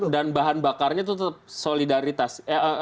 dan bahan bakarnya itu solidaritas